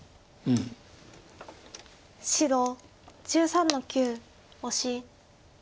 白１３の九オシ。